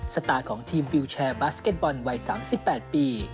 สไตล์ของทีมวิวแชร์บาสเก็ตบอลวัย๓๘ปี